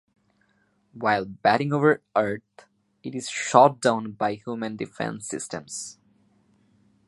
While battling over Earth it is shot down by human defense systems.